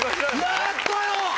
やったよ！